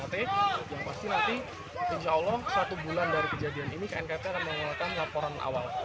yang pasti nanti insya allah satu bulan dari kejadian ini knkt akan mengeluarkan laporan awal